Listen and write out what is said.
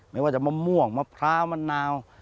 ไม่ว่าจะมะม่วงมะพร้าวมะนาว